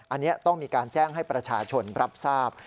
อันนี้ต้องมีการแจ้งให้ประชาชนรับทราบ